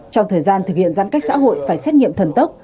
trong thời gian thực hiện giãn cách xã hội phải xét nghiệm thần tốc